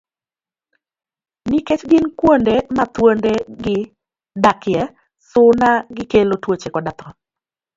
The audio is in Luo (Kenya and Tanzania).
Nikech gin kuonde ma thuonde gi t dakie, suna gikelo tuoche koda tho.